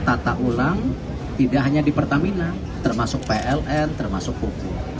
tata ulang tidak hanya di pertamina termasuk pln termasuk pupuk